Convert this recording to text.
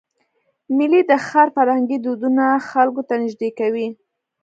میلې د ښار فرهنګي دودونه خلکو ته نږدې کوي.